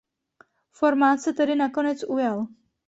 Formát se tedy nakonec ujal.